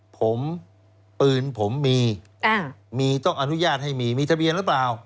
ผมปืนผมมีมีต้องอนุญาตให้มีมีทะเบียนหรือเปล่า